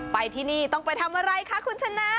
ไปที่นี่ต้องไปทำอะไรคะคุณชนะ